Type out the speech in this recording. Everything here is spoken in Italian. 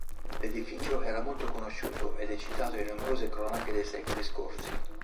L'edificio era molto conosciuto ed è citato in numerose cronache dei secoli scorsi.